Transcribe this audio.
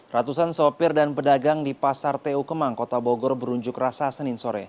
ratusan sopir dan pedagang di pasar tu kemang kota bogor berunjuk rasa senin sore